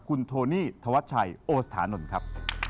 คุณโทนี่ธวัชชัยโอสถานนท์ครับ